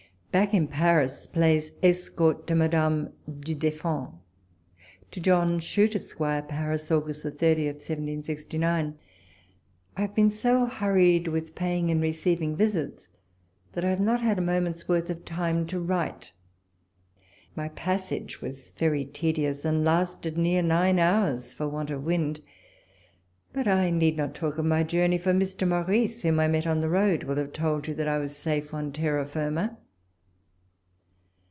BACK IN PA niS PLAYS ESCORT TO MADAME VU DEFFAND. To John Chute, Esq. Paris, Aug. 30, 1769. I HAVE been so hurried with paying and re ceiving visits, that I have not had a moment's worth of time to write. My passage was very tedious, and lasted near nine hours for want of walpole's letters. 143 wind.— But I need not talk of my journey ; for Mr. Maurice, ^vhom I met on the road, will have told you that I was safe on terra firma.